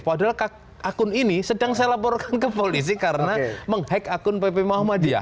padahal akun ini sedang saya laporkan ke polisi karena menghack akun pp muhammadiyah